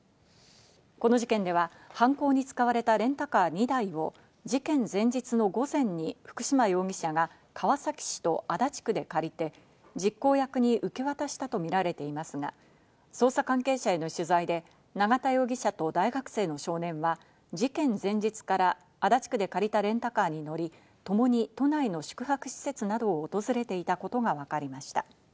この事件では犯行に使われたレンタカー２台を事件前日の午前に福島容疑者が川崎市と足立区で借りて、実行役に受け渡したとみられていますが、捜査関係者への取材で、永田容疑者と大学生の少年は事件前日から足立区で借りたレンタカーに乗り、ともに都内の宿泊施設などを訪れていたことがわかりました。